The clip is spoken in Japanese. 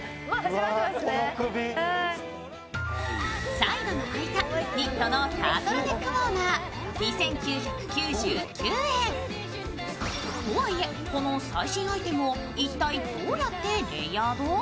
サイドの開いたニットのタートルネックウォーマー、２９９０円。とはいえ、この最新アイテムを一体どうやってレイヤード？